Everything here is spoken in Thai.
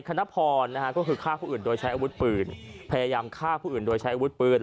ขั้นพรนี่คือฆ่าผู้อื่น